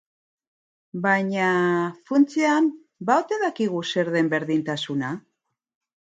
Baina, funtsean, ba ote dakigu zer den berdintasuna?